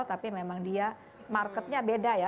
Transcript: tapi memang dia marketnya beda ya